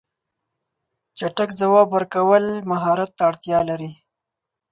چټک ځواب ورکول مهارت ته اړتیا لري.